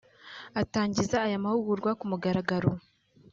Atangiza aya mahugurwa ku mugaragaro